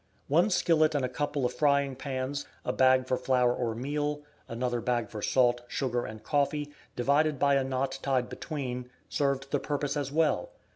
One skillet and a couple of frying pans, a bag for flour or meal, another bag for salt, sugar, and coffee, divided by a knot tied between, served the purpose as well.